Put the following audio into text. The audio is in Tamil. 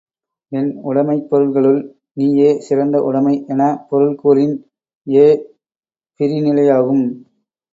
என் உடைமைப் பொருள்களுள் நீயே சிறந்த உடைமை எனப் பொருள் கூறின் ஏ பிரிநிலையாகும்.